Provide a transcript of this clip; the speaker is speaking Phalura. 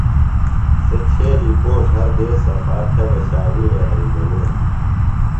سےۡ چھیلیۡ پوݜ ہر دیس صفا تھےۡ بہ ݜاوِیڑے ہریۡ گلینیۡ۔